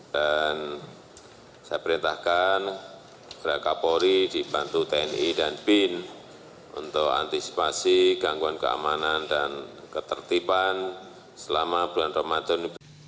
dan saya perintahkan raka polri dibantu tni dan bin untuk antisipasi gangguan keamanan dan ketertiban selama bulan ramadan